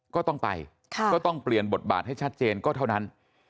ก็ต้องไปก็ต้องเปลี่ยนบทบาทให้ชัดเจนก็เท่านั้น